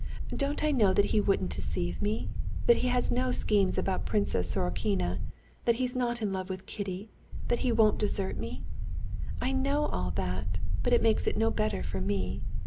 Don't I know that he wouldn't deceive me, that he has no schemes about Princess Sorokina, that he's not in love with Kitty, that he won't desert me! I know all that, but it makes it no better for me.